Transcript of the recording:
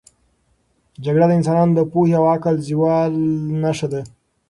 جګړه د انسانانو د پوهې او عقل د زوال نښه ده.